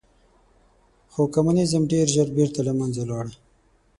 خو کمونیزم ډېر ژر بېرته له منځه لاړ.